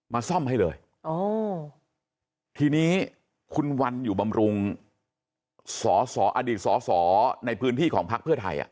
ซ่อมให้เลยอ๋อทีนี้คุณวันอยู่บำรุงสอสออดีตสอสอในพื้นที่ของพักเพื่อไทยอ่ะ